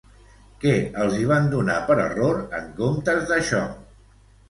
Què els hi van donar per error en comptes d'això?